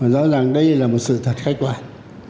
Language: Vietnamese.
rõ ràng đây là một sự thật khai quản